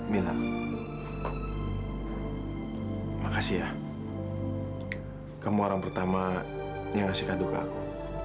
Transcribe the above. mila makasih ya kamu orang pertama yang ngasih kadu ke aku